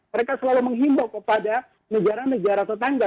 mereka selalu menghimbau kepada negara negara tetangga